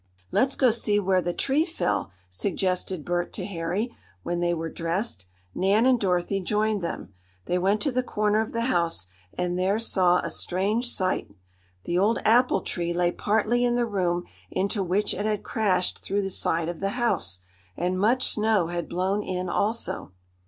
"Let's go see where the tree fell," suggested Bert to Harry, when they were dressed, Nan and Dorothy joined them. They went to the corner of the house and there saw a strange sight. The old apple tree lay partly in the room into which it had crashed through the side of the house. And much snow had blown in also.